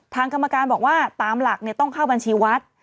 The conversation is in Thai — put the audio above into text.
ทางกรรมการบอกว่าตามหลักต้องเข้าบัญชีวัด